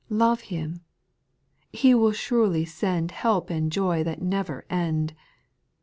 Love Him ; He will surely send Help and joy that never end.